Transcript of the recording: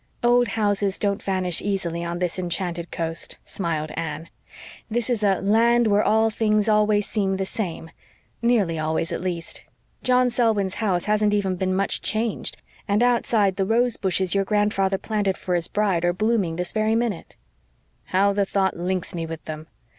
"Old houses don't vanish easily on this enchanted coast," smiled Anne. "This is a 'land where all things always seem the same' nearly always, at least. John Selwyn's house hasn't even been much changed, and outside the rose bushes your grandfather planted for his bride are blooming this very minute." "How the thought links me with them!